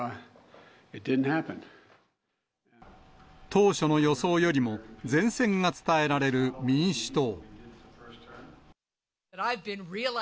当初の予想よりも善戦が伝えられる民主党。